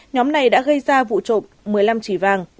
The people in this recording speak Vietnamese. nhóm này đã gây ra vụ trộm một mươi năm chỉ vàng